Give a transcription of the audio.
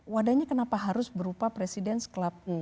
wadahnya kenapa harus berupa presiden club